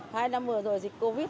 hai năm vừa rồi dịch covid